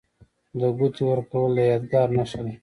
د ګوتې ورکول د یادګار نښه ده.